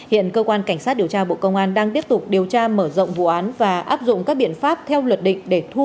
hiện cơ quan cảnh sát điều tra bộ công an đang tiếp tục điều tra mở rộng vụ án và áp dụng các biện pháp theo luật định để thu hồi tài sản cho nhà nước